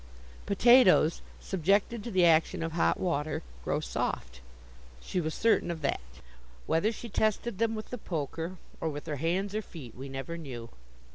Potatoes, subjected to the action of hot water, grow soft. She was certain of that. Whether she tested them with the poker, or with her hands or feet, we never knew.